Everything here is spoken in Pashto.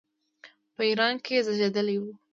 په ایران کې زېږېدلی وو.